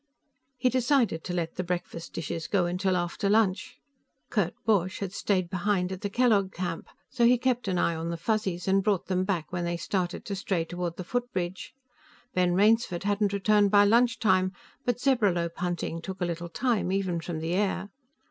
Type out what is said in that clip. He decided to let the breakfast dishes go till after lunch. Kurt Borch had stayed behind at the Kellogg camp, so he kept an eye on the Fuzzies and brought them back when they started to stray toward the footbridge. Ben Rainsford hadn't returned by lunchtime, but zebralope hunting took a little time, even from the air.